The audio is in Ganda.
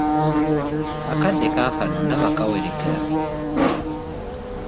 Akadde kaakano ndaba keweerekera.